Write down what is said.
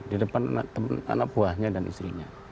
di depan anak buahnya dan istrinya